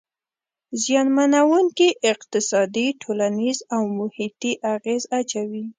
زیانمنووونکي اقتصادي، ټولنیز او محیطي اغیز اچوي.